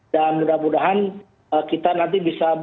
dan mudah mudahan kita nanti bisa